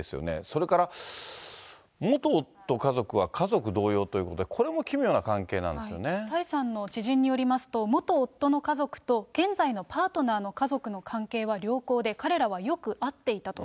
それから、元夫家族は家族同様ということで、蔡さんの知人によりますと、元夫の家族と現在のパートナーの家族の関係は良好で、彼らはよく会っていたと。